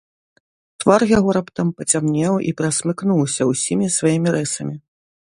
Твар яго раптам пацямнеў і перасмыкнуўся ўсімі сваімі рысамі.